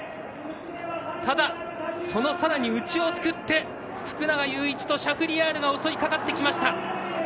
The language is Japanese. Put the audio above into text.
ただ、そのさらに、内をすくって福永祐一とシャフリヤールが襲いかかってきました！